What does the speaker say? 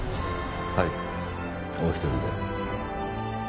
はいお一人で？